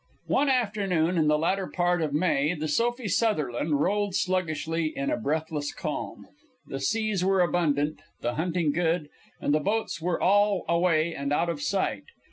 One afternoon in the latter part of May the Sophie Sutherland rolled sluggishly in a breathless calm. The seals were abundant, the hunting good, and the boats were all away and out of sight.